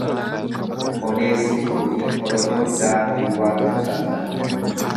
Odeessituufi korojoon gaafa duwwaa ta'u salphata.